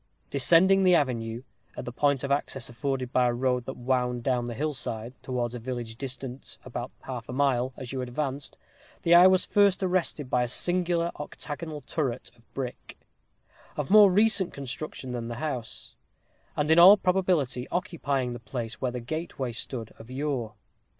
Descending the avenue, at the point of access afforded by a road that wound down the hill side, towards a village distant about half a mile, as you advanced, the eye was first arrested by a singular octagonal turret of brick, of more recent construction than the house; and in all probability occupying the place where the gateway stood of yore.